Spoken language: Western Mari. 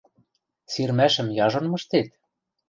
Сирмӓшӹм яжон мыштет?